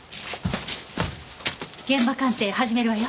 現場鑑定始めるわよ。